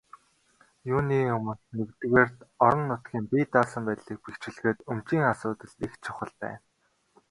Юуны өмнө, нэгдүгээрт, орон нутгийн бие даасан байдлыг бэхжүүлэхэд өмчийн асуудал их чухал байна.